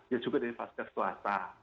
ya juga dari pak kek suasta